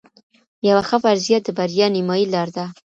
یوه ښه فرضیه د بریا نیمايي لار ده.